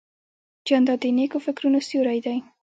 جانداد د نیکو فکرونو سیوری دی.